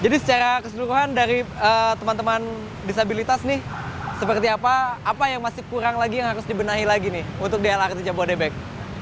jadi secara keseluruhan dari teman teman disabilitas nih seperti apa apa yang masih kurang lagi yang harus dibenahi lagi nih untuk di lrt jabodetabek